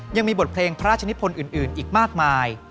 ยังมีบทเพลงพระราชนิพลอื่นอีกมากมาย